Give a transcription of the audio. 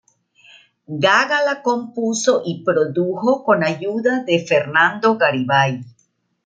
Gaga la compuso y produjo con ayuda de Fernando Garibay.